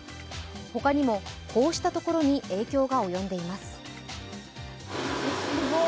他にもこうしたところに影響が及んでいます。